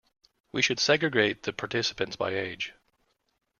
We should segregate the participants by age.